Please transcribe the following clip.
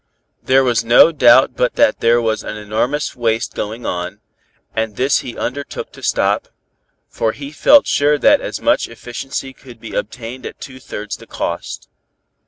There was no doubt but that there was an enormous waste going on, and this he undertook to stop, for he felt sure that as much efficiency could be obtained at two thirds the cost.